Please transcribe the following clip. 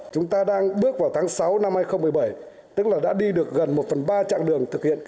chúng ta đang bước vào tháng sáu năm hai nghìn một mươi bảy tức là đã đi được gần một phần ba chặng đường thực hiện